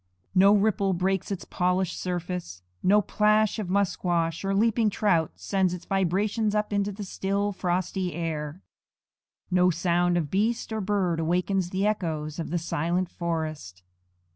No ripple breaks its polished surface; no plash of musquash or leaping trout sends its vibrations up into the still, frosty air; no sound of beast or bird awakens the echoes of the silent forest.